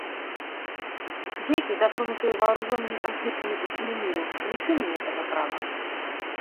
Дети, затронутые вооруженными конфликтами по всему миру, лишены этого права.